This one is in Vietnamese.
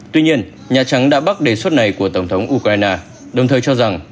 tuy nhiên nhà trắng đã bắt đề xuất này của tổng thống ukraine đồng thời cho rằng